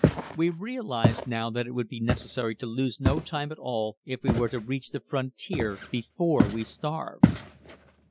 We realized now that it would be necessary to lose no time at all if we were to reach the frontier before we starved.